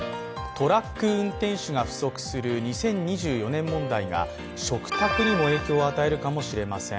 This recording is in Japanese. トラック運転手が不足する２０２４年問題が食卓にも影響を与えるかもしれません。